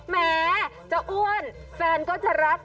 แม้จะอ้วนแฟนก็จะรัก